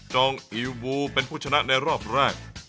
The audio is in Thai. จองอิลบูเป็นผู้ชนะในรอบแรก